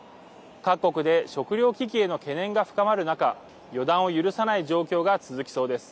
各国で食料危機への懸念が深まる中予断を許さない状況が続きそうです。